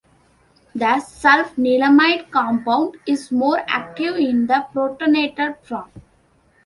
The sulfanilamide compound is more active in the protonated form.